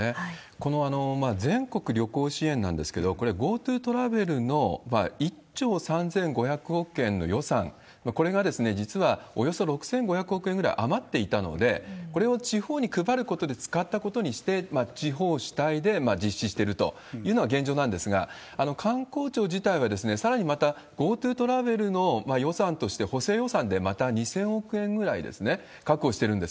この全国旅行支援なんですけれども、これ、ＧｏＴｏトラベルの１兆３５００億円の予算、これが実はおよそ６５００億円ぐらい余っていたので、これを地方に配ることで使ったことにして、地方主体で実施しているというのが現状なんですが、官公庁自体は、さらにまたＧｏＴｏトラベルの予算として、補正予算でまた２０００億円ぐらい確保してるんです。